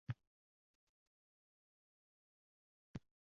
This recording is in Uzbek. Ammo-lekin o‘sha Oktyabr kechasi o‘rtoq Leninni qalbi nimalarnidir sezadi.